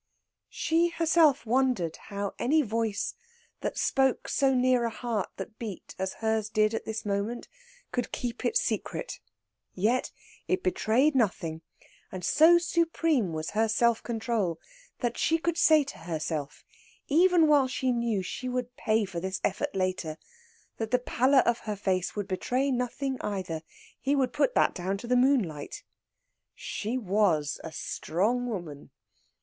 She herself wondered how any voice that spoke so near a heart that beat as hers did at this moment could keep its secret. Yet it betrayed nothing, and so supreme was her self control that she could say to herself, even while she knew she would pay for this effort later, that the pallor of her face would betray nothing either; he would put that down to the moonlight. She was a strong woman.